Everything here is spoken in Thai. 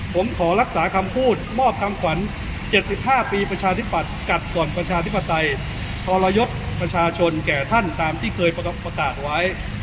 ผมขอรักษาคำพูดมอบคำขวัญ๗๕ปีประชาธิปัตย์กัดก่อนประชาธิปไตยทรยศประชาชนแก่ท่านตามที่เคยประกาศไว้